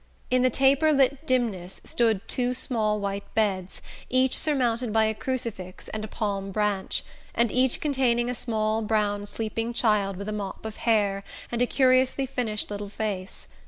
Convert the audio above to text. In the taper lit dimness stood two small white beds, each surmounted by a crucifix and a palm branch, and each containing a small brown sleeping child with a mop of hair and a curiously finished little face.